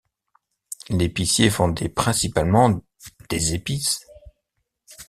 L'épicier vendait principalement des épices.